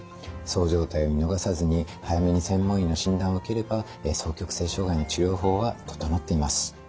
そう状態を見逃さずに早めに専門医の診断を受ければ双極性障害の治療法は整っています。